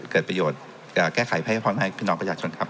เกิดประโยชน์แก้ไขให้พ่อแม่พี่น้องประชาชนครับ